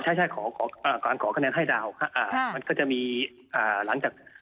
ใช่ใช่ขอขออ่าการขอคะแนนให้ดาวมันก็จะมีอ่าหลังจาก